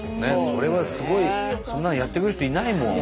それはすごいそんなのやってくれる人いないもん。